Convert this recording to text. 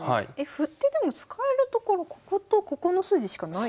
歩ってでも使えるところこことここの筋しかないですよ。